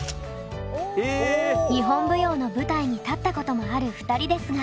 日本舞踊の舞台に立ったこともある２人ですが。